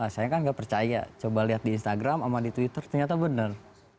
saya kan nggak percaya coba lihat di instagram sama di twitter ternyata benar